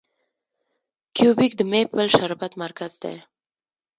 کیوبیک د میپل شربت مرکز دی.